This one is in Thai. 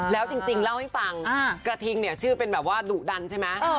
แล้วจริงเล่าให้ฟังกระทิงเนี่ยชื่อเป็นแบบว่าดุดันใช่ไหม